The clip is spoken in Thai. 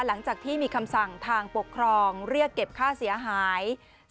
หลังจากที่มีคำสั่งทางปกครองเรียกเก็บค่าเสียหาย